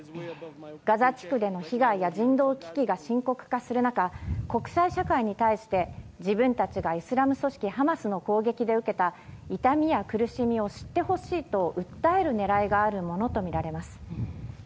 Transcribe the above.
ガザ地区での被害や人道危機が深刻化する中国際社会に対して自分たちがイスラム組織ハマスの攻撃で受けた痛みや苦しみを知ってほしいと訴える狙いがあるものとみられます。